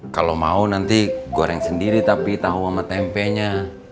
kalo mau nanti goreng sendiri tapi tau sama tempenya